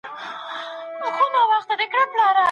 که مجازي درسونه وي، زده کړه پر زده کوونکي متمرکزه وي.